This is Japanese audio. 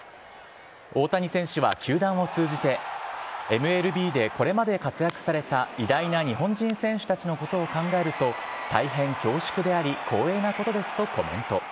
大谷選手は球団を通じて、ＭＬＢでこれまで活躍された偉大な日本人選手たちのことを考えると、大変恐縮であり、光栄なことですとコメント。